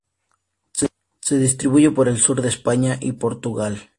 Se distribuye por el sur de España y Portugal.